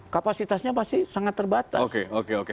kapasitasnya pasti sangat terbatas